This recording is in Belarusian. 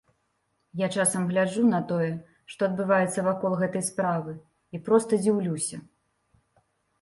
Я часам гляджу на тое, што адбываецца вакол гэтай справы, і проста дзіўлюся.